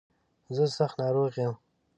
زه سخت ناروغ يم.